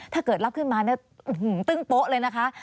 ถ้าเกิดรับขึ้นมาตึ้งโป๊ะเลยนะคะ